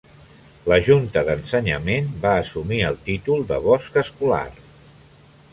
La junta d'ensenyament va assumir el títol de bosc escolar.